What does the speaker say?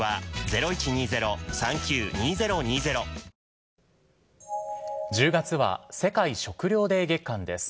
金利上昇は、１０月は世界食料デー月間です。